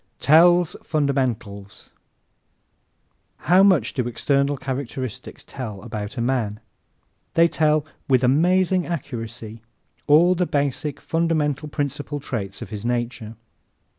Tells Fundamentals ¶ How much do external characteristics tell about a man? They tell, with amazing accuracy, all the basic, fundamental principal traits of his nature.